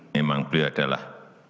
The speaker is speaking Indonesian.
memang beliau adalah